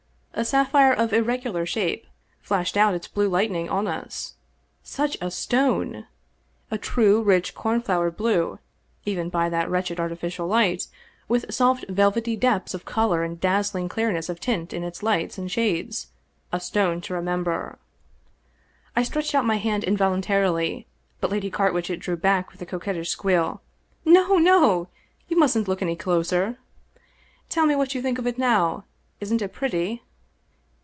A sapphire of irregular shape flashed out its blue lightning on us. Such a stone ! A true, rich, cornflower blue even by that wretched artificial light, with soft velvety depths of color and dazzling clearness of tint in its lights and shades — z stone to remem ber ! I stretched out my hand involuntarily, but Lady Car witchet drew back wi^ a coquettish squeal. " No ! no ! You mustn't look any closer. Tell me what you think of it now. Isn't it pretty?